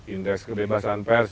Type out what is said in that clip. indeks kebebasan pers